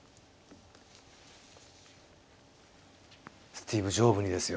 スティーブ上部にですよ